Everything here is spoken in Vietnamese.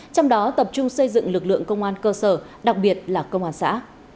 trong đó tập trung xây dựng lực lượng công an cơ sở đặc biệt là công an xã